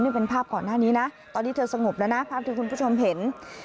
นี่เป็นภาพก่อนหน้านี้นะตอนนี้เธอสงบแล้วนะภาพที่คุณผู้ชมเห็น